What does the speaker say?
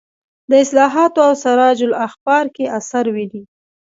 د اصلاحاتو او سراج الاخبار کې اثر ویني.